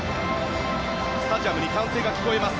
スタジアムに歓声が聞こえます。